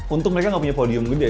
untuk mereka gak punya podium gede